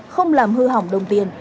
không làm hư hỏng đồng tiền